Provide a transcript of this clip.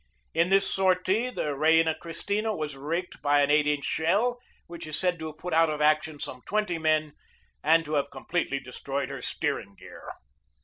In this sortie the Reina Cristina was raked by an 8 inch shell, which is said to have put out of action some twenty men and to have completely destroyed her steering gear.